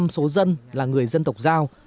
chín mươi sáu số dân là người dân tộc giao